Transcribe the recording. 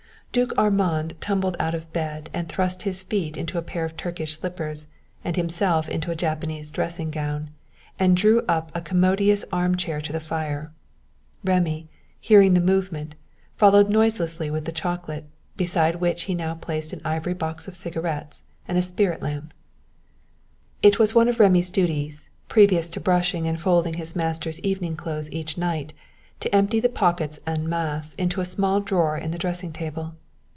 Duke Armand tumbled out of bed and thrust his feet into a pair of Turkish slippers and himself into a Japanese dressing gown, and drew up a commodious arm chair to the fire. Rémy, hearing the movement, followed noiselessly with the chocolate, beside which he now placed an ivory box of cigarettes and a spirit lamp. It was one of Rémy's duties, previous to brushing and folding his master's evening clothes each night, to empty the pockets en masse into a small drawer in the dressing table.